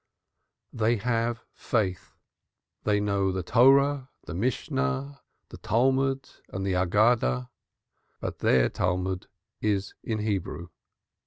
They have faith; they know the Law, the Mishnah, the Talmud and the Agadah; but their Talmud is in Hebrew.